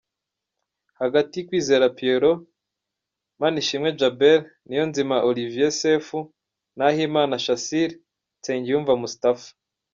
Hagati : Kwizera Pierrot, Manishimwe Djabel, Niyonzima Olivier Sefu, Nahimana Shassir, Nsengiyumva Moustafa.